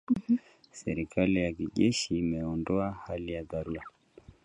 Serikali ya kijeshi imeondoa hali ya dharura